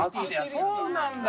そうなんだ！